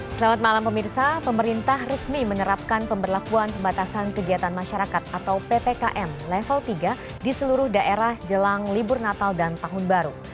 selamat malam pemirsa pemerintah resmi menerapkan pemberlakuan pembatasan kegiatan masyarakat atau ppkm level tiga di seluruh daerah jelang libur natal dan tahun baru